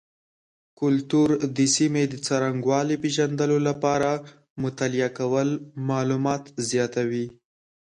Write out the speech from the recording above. کلتور د سیمې د څرنګوالي پیژندلو لپاره مطالعه کول معلومات زیاتوي.